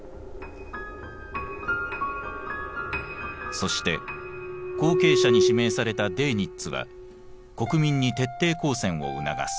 そして後継者に指名されたデーニッツは国民に徹底抗戦を促す。